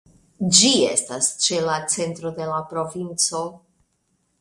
Ĝi estas ĉe la centro de la provinco.